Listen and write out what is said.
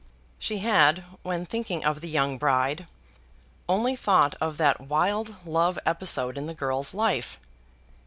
She had, when thinking of the young bride, only thought of that wild love episode in the girl's life.